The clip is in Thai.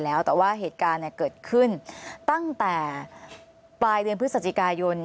แล้วแต่ว่าเหตุการณ์เกิดขึ้นตั้งแต่ปลายเดือนพฤศจิกายน